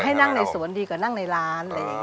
ให้นั่งในสวนดีกว่านั่งในร้าน